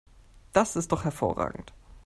Das ist doch hervorragend!